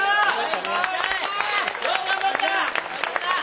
よく頑張った！